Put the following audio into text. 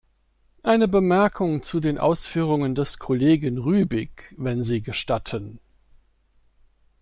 Eine Bemerkung zu den Ausführungen des Kollegen Rübig, wenn Sie gestatten.